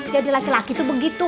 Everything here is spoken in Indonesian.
jadi laki laki tuh begitu